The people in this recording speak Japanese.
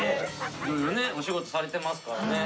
みんなねお仕事されてますからね。